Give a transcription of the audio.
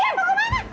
ayah mau kemana